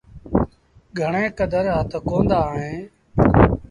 گھڻي ڪدر هٿ ڪوندآ ّئيٚن۔